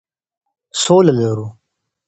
سوله لرو.